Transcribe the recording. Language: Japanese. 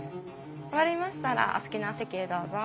終わりましたらお好きなお席へどうぞ。